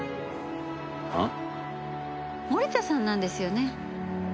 森田さんなんですよね？